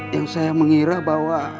yang saya mengira bahwa